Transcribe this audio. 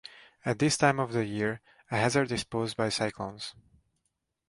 At this time of the year, a hazard is posed by cyclones.